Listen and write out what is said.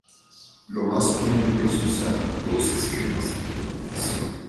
Lo más común es usar dos esquemas de protección.